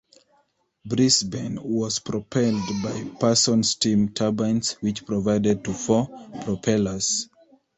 "Brisbane" was propelled by Parsons steam turbines, which provided to four propellers.